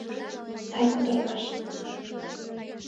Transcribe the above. Сай кутырымаш!